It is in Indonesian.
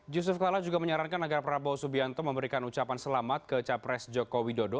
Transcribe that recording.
yusuf kala juga menyarankan agar prabowo subianto memberikan ucapan selamat ke capres joko widodo